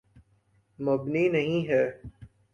مبنی نہیں ہے۔